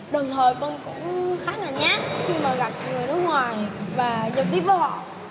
đồng thời con cũng khá là nhát khi mà gặp người nước ngoài và trực tiếp với họ